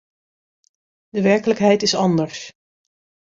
De werkelijkheid is anders.